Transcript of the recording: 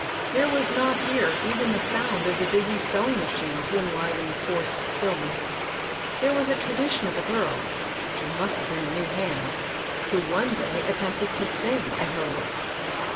There was not here even the sound of the busy sewing machine to en liven the forced stillness. There was a tradition of a girl, — she must have been a new hand, — who one day attempted to sing at her work.